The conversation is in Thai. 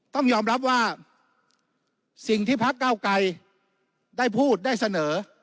ต้องยอมรับว่าสิ่งที่พักเก้าไกรได้พูดได้เสนอ